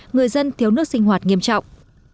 người dân thiếu nước sinh hoạt nghiêm trọng